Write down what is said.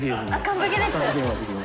完璧です。